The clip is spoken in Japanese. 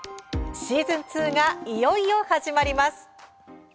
シーズン２がいよいよ始まります。